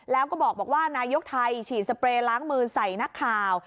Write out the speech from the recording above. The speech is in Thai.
แล้วก็บอกว่านายกไทยฉีดสเปรย์ล้างมือใส่นักข่าว